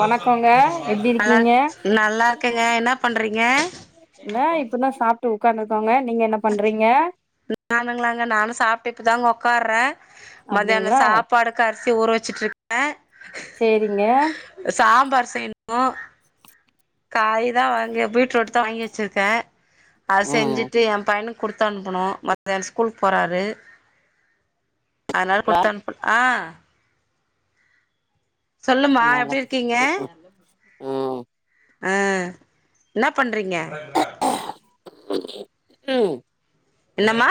வணக்கோங்க எப்டி நல்லா இருக்கீங்க நல்லா இருக்கேங்க இன்னா பண்றீங்க ஏன் இந்தா அப்பா இப்பதா சாப்ட்டு உக்காந்துருக்கோங்க நீங்க என்ன பண்றீங்க நானுங்களாங்க நானு சாப்பிட்டு இப்பதாங்க ஒக்கார்றே மத்தியானோ அப்டிங்களா சாப்பாடுக்கு அரிசி ஊற வச்சிட்டுருக் சேரிங்க அ சாம்பார் செய்யணு காயிதா வாங்க பீட்ரூட்டு்தா வாங்கி வச்சிருக்கே அது ம் செஞ்சுட்டு எ பையனுக் குடுத்தனுப்பனு மத்யானோ ஸ்கூல் போறாரு அதனால குடுத்த அனுப் ஆ சொல்லுமா நல்லாக்குது எப்டிருக்கீங்க ம் ஆ என்ன பண்றீங்க ம் என்னமா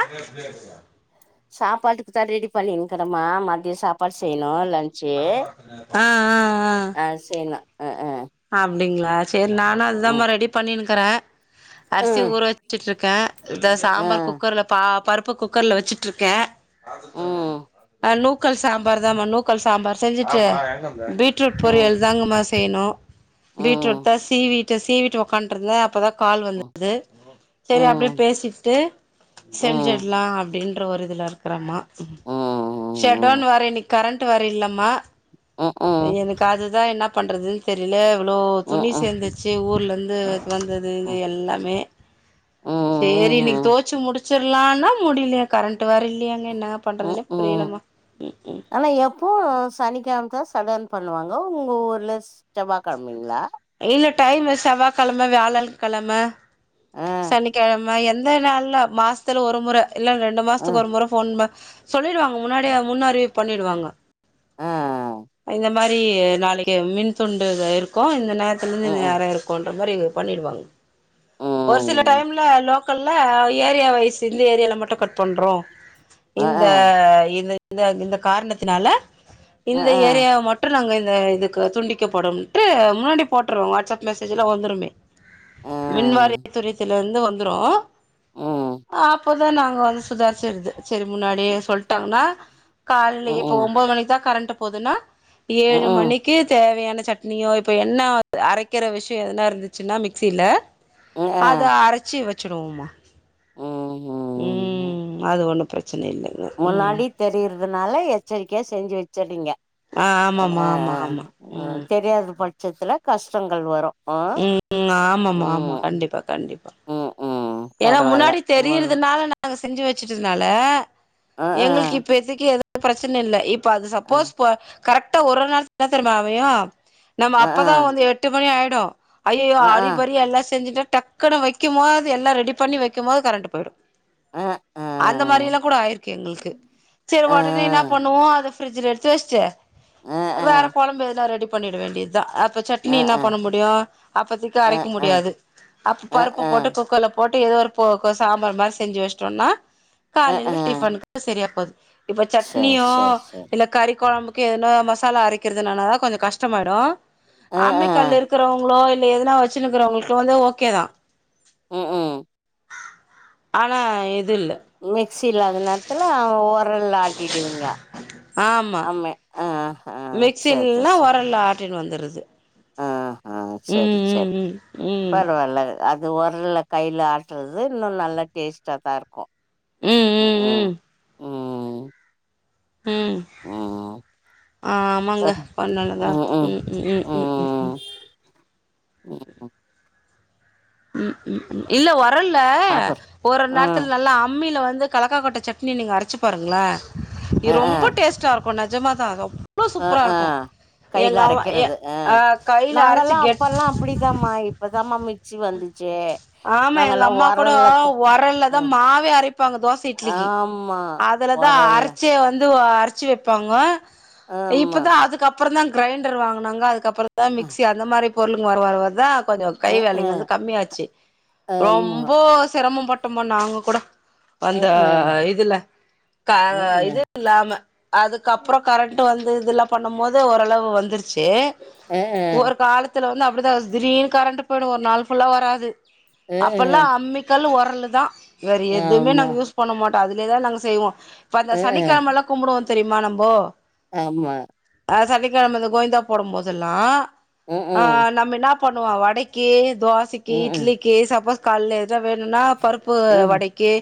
சாப்பாட்டுக்கு தா ரெடி பண்ணின்ருக்கறம்மா மதியோ சாப் சாப்பாடு செய்யணு லன்ச்சு ஆ ஆ ஆ செய்யணு ஆ ஆ அப்டிங்களா சேரி நானு அதுதாமா ரெடி பண்ணின்னுக்குறே அ அரிசி ஊற வச்சுட்டுருக்க இத அ சாம்பார் குக்கர்ல பா பருப்பு குக்கர்ல வச்சு ட்ருக்கே ம் ஆ நூக் கல் சாம்பார் தாம்மா நூக்கல் சாம்பார் செஞ்சுட்டு பீட்ரூட் ஆ பொரியல் தாங்கம்மா செய்யணு ம் பீட்ரூட் தா சீ வீட்டு சீ வீட்டு ஒக்காட்டுருந்தே அப்போதா கால் ம் ம் வந்தது செரி அப்டியே ம் பேசிட்டு ம் ம் செஞ்சிர்லா அப்டின்ற ஒரு இதுலருக் கறமா ம் ம் ம் ஷடவுன் வேர இன்னைக்கி கரண்ட் வேர இல்லம்மா ம் எனக்கு அதுதா என்ன பண்றதுன்னு தெரியில இவ்ளோ ம் ம் துணி சேந்துர்ச்சு ஊர்லேருந்து வந்தது இது எல்லாமே சேரி ம் இன்னைக்கி ம் தோவச்சு முடிச் சர்லான்னா முடிலையே கரண்ட்டு வேற இல்லையங்க என்னா பண்றதுன்னே புரியலம்மா ம் ம் ஓ சனிக்கெழமதா ஷடவுன் பண்ணுவாங்கோ உங்க ஊர்ல செவ்வா கெழமைங்களா இல்ல டைமு செவ்வாய் கழம வியாழல் கழம ஆ சனிக்கெழம் ம் எந்த நாள்ல மாசத்துல ஒரு மொற இல்ல ரெண்டு ஆ மாசத்துக்கு ஒரு மொற ஃபோன் ப சொல்லிடுவாங்க முன்னாடியே முன்னறிவிப்பு பண்ணிடுவாங்க ஆ ஆ இந்த மாரி நாளைக்கி மின துண்டு இத இருக்கு இந்த நேரத்துலருந்து ம் இந்நோரோ இருக்குன் அது மாரி இங்க பண்ணிடுவாங்க ஒரு சில ம் டைம்ல லோக்கல்ல ஏரியா வைஸ் இந்த ஏரியாவுல மட்டும் கட் பண்றோ ஆ இந்த ஆ இந்த இந்த இந்த காரணத்தினால ஆ இந்த ஆ ஏரியாவை மட்டு நாங்க இந்த இதுக்கு துண்டி க்கப்படுன்ட்டு முன்னாடி போட்ருவோங் வாட்ஸ்அப் மெசேஜ்ல வந்துருமே ஆ மின்வாரிய துறியத் இதுலேருந்து வந்துரு ம் அப்பதா நாங்க வந்து சுதாச்சிறது செரி முன்னாடி சொல்லிட்டாங்கன்னா ம் கால்லேயே இப்போ ம் ஒம்பது மணிக்கி தா கரண்ட்டு போதுன்னா ஏழு ம் மணிக் க்கு தேவையான சட்னியோ இப்போ என்ன அரைக்கிற விஷ்யோ எதுனா இருந்துச்சுன்னா மிக்சியில ஆ அத அரைச்சி வச்சுடுவோமா ம் ம் அது ஒண்ணு பிரச்சன இல்ல முன்னாடி தெரியறதுனால எச்சரிக்கையா செஞ்சு வச்சர்றீங்க ஆ அ ஆமாம்மா ஆமா ஆமா அ ம் தெரியாத பட்சத்துல கஷ்டங்கள் வரு ம் ம் ஆமாமா ஆமா கண்டிப்பா கண்டிப்பா ம் ம் ஏன்னா பரவால்ல முன்னாடி மூணு தெரியதுனால நா நாங்க செஞ்சு வச்சுட்டதுனால ஆ ஆ எங்களுக்கு இப்பதக்கி எதுவு ப்ரச்சனை இல்ல இப் இப்ப அது ஆ சப்போஸ் ப கரெக்டா ஒரு ஒரு நாள்தா தெரியுமா அமையு நம்ம ஆ ஆ. அப்பதா வந்து எட் ட்டு மணி ஆயிடு ஐய்யய்யோ அஹ்ஹ அறிபறி எல்லா செஞ்சுட்டு டக்குன்னு வைக்கும் போது எல்லா ரெடி இப்டி பண்ணி வெக்கும் போது கரண்டு போய்டு அஹ்ஹ அஹ்ஹ அந்த மாரி எல்லா கூட ஆயிருக்கு எங்களுக்கு செரி ஒடனே என்ன பண்ணுவோ அத ப்ரட்ஜுல எடுத்து வச்ட்டு அஹ்ஹ வேற கொழம்பு எதாது ரெடி பண்ணிட வேண்டிய தா அப் இப்ப சட்னி அஹ்ஹ என்ன பண்ண முடியு அப்பதக்கு அரைக்க அஹ்ஹ முடியாது அ பருப்பு போட்டு அஹ்ஹ குக்கர்ல போ போட்டு எதோ ஒரு போ கொ சாம்பார் மாரி செஞ்சு வச்சுட்டோன்னா காலையில அஹ்ஹ டிஃபனுக்கு செரியா போது இப்ப சேரி சட்னியு சேரி சேரி இல்ல கறி கொழம்புக்கு எதுனா மசாலா அரைக்கிறதுனாலதா கொஞ்ச கஷ்டமாய்டு அஹ்ஹ அம்மிக்கல்லு இருக்குறவங்களோ இல்ல எதுனா வச்சுன்னு இருக்குறவுங்களுக்கோ வந்து ஓகே தா ம் ம் ஆனா எது இல்ல மிக்ஸி இல்லாத நேரத்துல அவே ஒரல்ல ஆட்டிடுவிங்க அமே மிக்சி இல்லான்னா ஒரல்ல ஆட்டின்னு வந்துர்றது ஆ ஹா செரி செரி ம் ம் பரவாயில்லங்க அது ஒரல்ல கையில ஆட்டுறது இன்னு நல்ல டேஸ்டா தா இருக்கு ம் ம் ம் ம் ஆ ஆமாங்க பர் பண்ணையிலதா இருக்கு ம்ஹும் ம் ம் ம் ம் ம் ம் ம் ஹு ம் ம் ம் இல்ல ஒரல்ல அப்புற ஒரு ம் நேரத்துல நல்லா அம்மில வந்து கலக்காக் கொட்டை சட்னி நீங்க அரைச்சு பாருங்ளே அ இது ஆ ரொம்ப டேஸ்ட்டா இருக்கு நெஜமாதா அது அவ்ளோ அ சூப்பர ஆ இருக்கு கையில எங்க அவ எ அரைக்கிறது அ கைல அரைச்சு கெட் இப்புடிதாம்மா இப்பதாம்மா மிக்ஸி வந்துச்சே ஆமா எங்க அம்மா கூட ஒரல்லதா ம் மாவே அரைப்பாங்க தோச இட்லிக்கு ஆமா அத் அதுல தா ஒரல்ல அரைச்சே வந்து அ அரச் ச்சு வெப்பாங்க ஆமா இப்பதா அதுக்கு அப்பறந்தா கிரெண்டர் வாங்குனாங்க அதுக்கு அப் அப்பறந்தா அ மிக்ஸி அந்த மாரி பொருள்கள் வர வர வரதா கொஞ்ச கை அ ஆ வேலைங்க வந்து கம்மியாச்சு ஆமா ரொம்போ செரமம் பட்டம்மா நாங்க கூட அ வந்த ஆ இதுல கால அ ஆ இது இல்லாம அதுக்கு அப்பறோ கரண்ட்டு வந்து இதல்லா பண்ணும் போது ஓரளவு வந்துருச்சு அ அ ஒவ்வொரு காலத்துல வந்து அப்டிதா திரடீனு கரண்ட்டு போய்டு ஒரு நாள் ஃபுல்லா வராது அ அப்பல்லா ஆ அம்மிக்கல்லு உரல்லு தா வேற எதுவுமே ஆமா நாங்க யூஸ் பண்ண மாட்டோ அதுலேதா நாங்க செய்வோ இப்ப அந்த அ ஆ சனிக்கெழமெல்லா கும்புடுவோ தெரியுமா நம்போ ஆமா அ சனிக்கெழம இந்த கொயிந்தா போடும் போதெல்லா ம் ஆ ம் நம்ம என்னாப் என்ன பண்ணுவோ வடைக்கி தோசைக்கி ம் ம் இட்லிக்கி சப்போஸ் கால்ல எந் த வேணுன்னா பருப்பு ம் வடைக்கி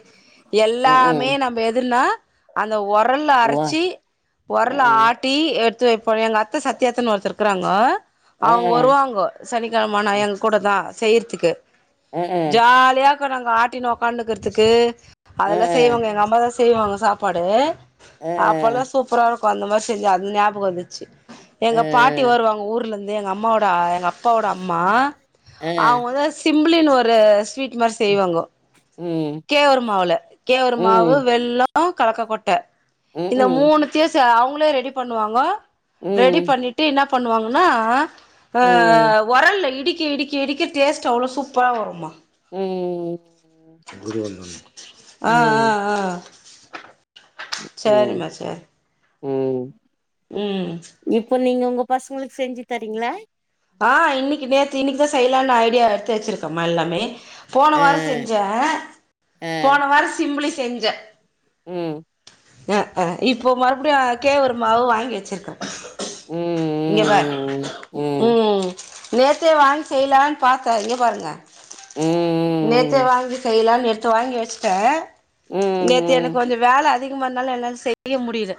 ம் எல்லாமே ம் நம்ப எதுன்னா அந்த ஒரல்ல ஒ அ அரைச்சு ஆ ஒரல்ல அ ஆட் ட்டி எடுத்து வைப்போ எங்க அத்த சத்யா அத்தன் ஒருத்தர் இருக்குறாங்கோ ஆ அவுங்க அ வருவாங்கோ சனிக்கெழம ஆனா ஆ எங்கள கூட தா செய்றதுக்கு ஜாலியா இருக்கு நாங்க ஆட்டினு உக்காண்ட் இர்க்குறதுக்கு அ ஆ அதெல்லா செய்வோங்க எங்க அம்மா தா செ செய்வாங்க சாப்பாடு அ அப்ப ஆ எல்லா சூப்பரா இருக்கு அந்த மாரி செஞ்சது அது ஞாபக வந்துச்சு ஆ எங்க பாட்டி வருவாங்க ஊர்ல இருந்து எங்க அம்மாவோட எங்க அப்பாவோட அம்மா ஆ அவங்க வந்தா சிம்பளின் ஒரு ஸ்வீட் மாரி ம் செய்வாங்க ம் கேவருமாவுல கேவர் மாவு ம் வெள்ளம் ஆ கலக்கப்பட்ட இந்த ம்ஹ்ம் மூணுத்தையு ச அவங்களே ரெடி பண்ணுவாங்க ரெடி ம் பண்ணிட்டு என்ன பண்ணுவாங்கன்னா ம் ஆ உரல்ல இடிச்சி இடிச் இடிக்க இடிக்க டேஸ்ட் அவ்வளோ சூப்பராக வருமா ம் ஆ ஆ ம் ஆ ம் சேரிம்மா சேரி ம் ம் இப்போ நீங்க உங்க பசங்களுக்கு செஞ்சு தாறிங்களா ஆ இன்னைக்கு நேத்து இன்னைக்குதா செய்யலான்னு ஐடியா எடுத்து வச்சிருக்கேமா எல்லாமே போன ஆ வாரோ செஞ்சே ஆ போன வாரோ சிம்பிலி செஞ்சே ம் ஆ ஆ இப்போ மறுபடியு அதுக்கே ஒரு மாவு வாங்கி வச்சிருக்கே இங்கே பார் ம் ம் ம் நேரத்தே வாங்க செய்யலான்னு பார்த்தே இங்கே பாருங்க ம் நேத்தே ம் வாங்கி செய்லான்னு எடுத்து வாங்கி வச்சிட்டே நேத்து எனக் ம் கொஞ்சோ வேலை அதிகமா இருந்தாலு என்னலா செய்ய முடில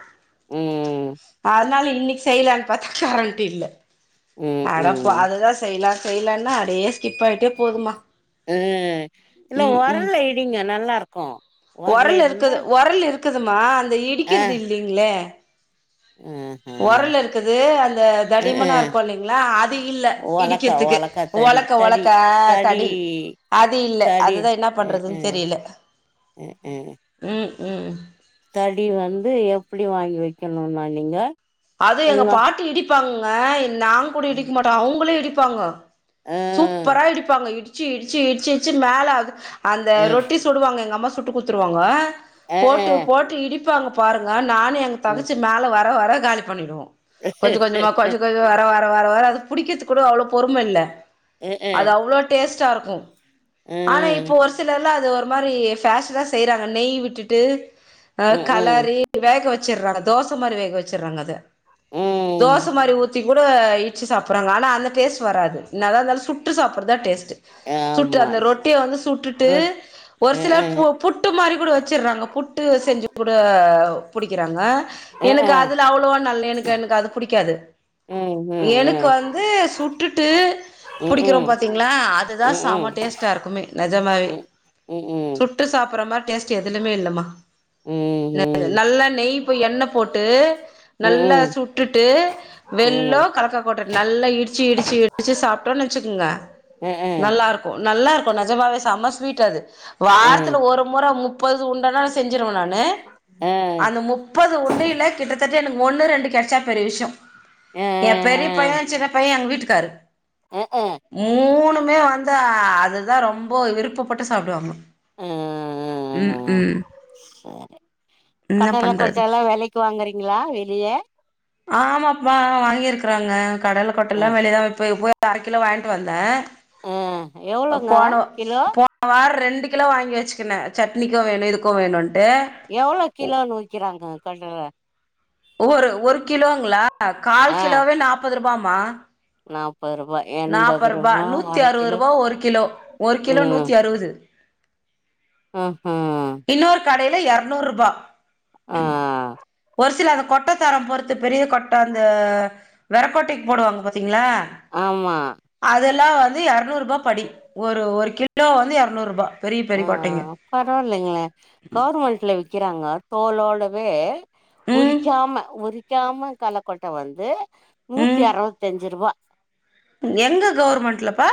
ம் ம் அதனால இன்னைக்கு செய்யலன்னனு பாத்த கரண்ட் இல்ல ம் அட அப்ப ம் அததுதா செய்யலா செய்யலன்னா அடியே ஸ்கிப் ஆயிட்டே போதும்மா ஆ இல்ல உரல்ல இடிங்க நல்லா இருக்கு உரல் இருக்குது உரல் இருக்குதுமா அந்த இடிக்கிறது இல்லலைங்களே ஆ ஒரல் இருக்குது அந்த ஆ தடிமனா இருக்கு இல்லைங்களா அது இல்ல இடிக்கிறதுக்கு ஒலக்க ஒலக்க தடி அது இல்ல தடி அதுதா என்ன அ அ பண்ணுறதுன்னு தெரியல அ அ ம் ம் தடி வந்து எப்டி வாங்கி வைக்கணும்னா நீங்க அது எங்க உங்க பாட்டி இடிப்பாங்க நா கூட இடிக்க மாட்டோ அவங்களே இடிப்பாங்க அ சூப்பரா இடிப்பாங்க இடிச்சு இடிச்சு இடிச்சு இடிச்சு மேலே அது அந்த அ ரொட்டி சுடுவாங்க எங்க அம்மா சுட்டு குத்துருவாங்க அ போட்டு அ போட்டு இடிப்பாங்க பாருங்க நானு எங் ம் தங்கச்சு மேல வர வர காலி பண்ணிடுவோ கொஞ்ச கொஞ்சமா கொஞ்ச கொஞ் வர வர வர வர அது புடிக்கிறது கூட அவ்வள பொறும இல்ல அ அ அது அவ்ளோ டேஸ்டா இருக்கு ஆனா இப்போ ஒரு சிலர்லா அது ஒரு மாரி பேஷனா செய்றாங்க நெய்விட்டுட்டு ஆ ம் ம் ம் கலரி வேக வச்சுறாங்க தோச மாரி வேகவச்சுறாங்க அத ம் த்தி கூட இச்சி சாப்புறாங்க ஆன அந்த டேஸ்ட் வராது இன்னதா இருந்தாலு சுட் டு சாப்புறதா டேஸ்ட் சுட்டு ஆமா அந்த ரொட்டிய வந்து சுட்டுட்டு ப்ரஸ் ஒரு அ சில அ பு புட்டு மாரி கூட வச்சுறாங்க புட்டு செஞ்சு கூட படிக்கிறாங்க அ அ எனக்கு அதுல அவ்வளவா நல்ல எனக்கு எனக்கு அது புடிக்காது ம் ம் எனக்கு ம் வந்து சுட்டுட்டு புடிக்கிறோ ம்ம் பாத்தீங்களா அதுதா ம்ம் செம ம் டேஸ்ட்டா இருக்குமே நெஜமாவே ம் ம் சுட்டு சாப்பிடுற மாரி டேஸ்ட் எதுலயுமே இல்லமா ம் ந நல்லா நெய் போய் எண்ணெ போட்டு ம் நல்லா ம் சுட்டுட்டு வெல்லோ ம் கலக்கா கொட்டட் நல்லா இடிச்சு இடிச்சு இடிச்சு சாப்பிட்டோனு வெச்சுக்கோங்க அ அ நல்லாருக்கு நல்லாருக்கு நெஜமாவே செம்ம ஸ்வீட்டது அ வாரத்துல ஒரு முற முப்பது உண்டனாலு செஞ்சிருவ நானு அ அந்த முப்பது உண்டியல்ல கிட்டத்தட்ட எனக்கு ஒன்னு ரெண்டு கெடச்சா பெரிய விஷ்யம் ஆ என் பெரிய பையென் சின்ன பையென் எங்க வீட்டுக்காரு ம் ம் மூணுமே வந்து அதுதா ரொம்ப விருப்பப்பட்டு சாப்டுவாங்க ஆ ம் ம் சரி என்ன கடல கொட்ட பண்றது எல்லா வெலைக்கு வாங்குறீங்களா வெளிய ஆமாப்பா வாங்கியிருக்குறாங்க கடல ஆ கொட்டல்லா வெளியதா போய் போய் இப்ப அரகிலோ வாங்கிட்டு வந்தே ஆ எவ்ளோங்க போனோ கிலோ போ போன வார ரெண்டு கிலோ வாங்கி வச்சுக்னே சட்னிக்கு வேணு இதுக்கு வேணுன்ட்டு எவ்ளோ கிலோனு விக்கிறாங்க கடல ஒரு ஒரு கிலோங்களா கால் ஆ கிலோவே நாப்பது ருபாமா நாப்பது ருபாய் நாப்ப ருபா நூத்தி அறுவது ருபா ஒரு ஒரு கிலோ நூத்தி அறுவது ம் ம் இன்னொரு கடையில எர்நூரூபா ஆ ஒரு சில அந்த கொட்டைத்தரம் பொறுத்து பெரிய கொட்ட அந்த வெரக் கொட்டைக்கு போடுவாங்க பாத்தீங்களா ஆமா அதெல்லா வந்து எரநூறுபா படி ஒரு ஒரு கிலோ வந்து எரநூறுபா பெரிய பெரிய கொட்டைங்க பரவாயில்லைங்க கவுர்மெண்ட்ல விக்கிறாங்களா தோலோடவே ம் உரிக்காம உரிக்காம களக்கொட்ட வந்து நூத்தி ம் அறுவத்தஞ்ருவா எங்க கவுர்மென்ட்ல பா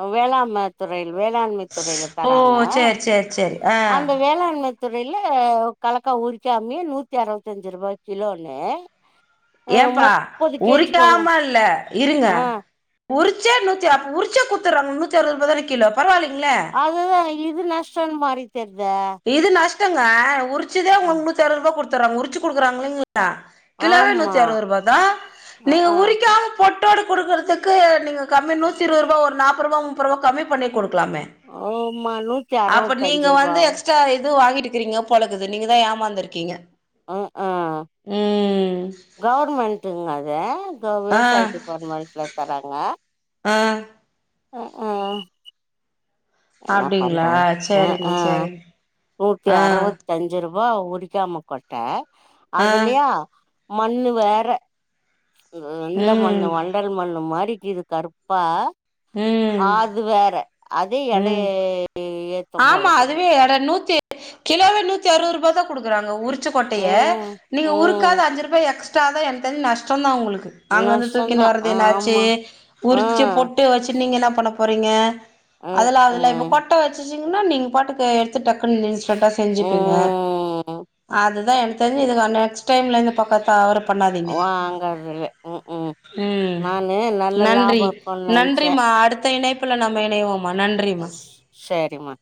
ஆ வேளாண்மை துறை வேளாண்மை துறையில ஓ தராங்க சேரி சேரி சேரி ஆ அந்த வேளாண்மை துறையில ஒரு கல்லக்கா உரிக்காமயே நூத்தி அறுவத்தஞ்சு ருபாய் கிலோனு ஏன்பா கொண்ட உரிக்காம இல்ல இருங்க ஆ உரிச்சே நூத்தி அப்ப உரிச்சே குத்துடுறாங்க நூத்தி அறுவது ரூபா தானா கிலோ பரவாயில்லீங்களே அதுதா இது நஷ்டனு மாறி தெரிதா இது நஷ்டங்க உரிச்சதே உங் முன்னூத்தி அறுபது ருபா குடுத்துர்றாங்க உரிச்சு குடுக்குறாங் இல்லீங்களா கிலோவே ஆமா நூத்தி ஆறுவதுருபா தா ஆ நீங்க ஆ உரிக்காம பொட்டோடு குடுக்கறதுக்கு நீங்க கம்மி நூத்தி இருவதுருபா ஒரு நாப்பது ருபா முப்பது ருபா கம்மி பண்ணி குடுக்கலாமே ஓமா நூத்தி அறுவத்தஞ்சுருவா சேர் அதுல எதோ வாங்கிருக்கீங்க பொலக்குது நீங்க தா ஏமாந்துருக்கீங்க ம் ஆ ம் கவர்மெண்ட்டுங்க அது இப்ப ஆ விவசாய டிபார்ட்மெண்ட்ல தராங்க ஆ ம் ம் என்ன பண்ற அப்டிங்களா ஆ சேரிங்க ஆ சேரிங்க நூத்தி ஆ அறுவத் அஞ்சு ரூபா உரிக்காம கொட்ட ஆ அதுலயா மண்ணு வேற எந்த மண்ணு ம் வண்டல் மண்ணு மாரிகிது கருப்பா ம் அது வேற அதே எடை ம் ஏத்தம் ஆமா போலக்குது அதுவே எட நூத்தி கிலோவே நூத்தி அறுபது ரூபா தா கொடுக்குறாங்க உரிச்ச கொட்டயே ம் நீங்க ம் உருக்காத அஞ்சு ரூபா எக்ஸ்ட் டாத என்ட இருந்து நஷ்டம் தான் ஒங்களுக்கு அங்க இருந்து நஷ்டந்தா தூக்கின்னு வர்றது என்னாச்சு ஆமா ஆ உரிச்சு பொட்டு வச்சு நீங்க என்ன பண்ண போறீங்க ம் அதுல அதுல இப்ப ம் கொட்ட வச்சுச்சீங்னா நீங் பாட்டுக்கு எடுத்து டக்குன்னு இன்ஸ்டன்டா செஞ்சுப்பீங்க ம் அதுதான் எனக்கு தெரிஞ்சி இதுக நெக்ஸ்ட் டைம்லயிருந்து பக்க தவறு பண்ணாதீங்க வாங்கறதுல ம் ம் ம் நானு நல்ல நன்றி லாபம் இருக்குன்னு நெனச்சே நன்றிமா அடுத்த இணைப்புல நம்ம இணைவோம் சேரிம்மா